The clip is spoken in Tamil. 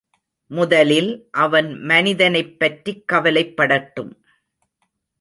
முதலில் அவன் மனிதனைப் பற்றி கவலைப் படட்டும்.